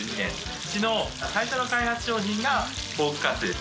うちの最初の開発商品がポークカツです。